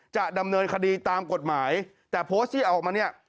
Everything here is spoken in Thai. จะดำเนินคดีตามกฎหมายแต่โพสต์ที่เอาออกมาเนี่ย